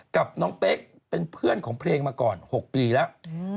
กับน้องเป๊กเป็นเพื่อนของเพลงมาก่อน๖ปีแล้ว